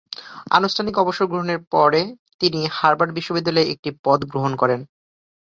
আনুষ্ঠানিক অবসর গ্রহণের পরে তিনি হার্ভার্ড বিশ্ববিদ্যালয়ে একটি পদ গ্রহণ করেন।